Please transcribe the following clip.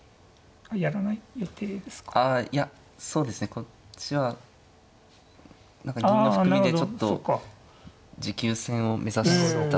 こっちは何か銀の含みでちょっと持久戦を目指した。